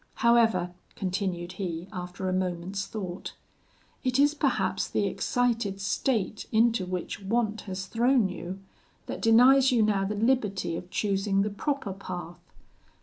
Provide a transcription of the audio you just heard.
"'However,' continued he, after a moment's thought, 'it is perhaps the excited state into which want has thrown you, that denies you now the liberty of choosing the proper path.